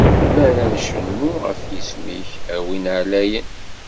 Mi ara ncennu ɣef yisem-ik, a Win Ɛlayen!